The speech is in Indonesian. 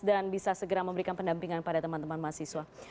dan bisa segera memberikan pendampingan kepada teman teman mahasiswa